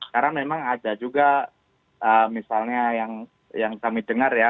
karena memang ada juga misalnya yang kami dengar ya